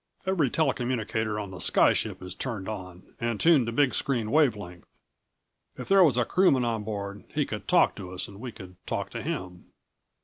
Every tele communicator on the sky ship is turned on and tuned to big screen wave length. If there was a crewman on board he could talk to us and we could talk to him."